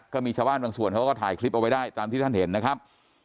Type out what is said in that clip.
ก็มีชาวบ้านบางส่วนเขาก็ถ่ายคลิปเอาไว้ได้ตามที่ท่านเห็นนะครับ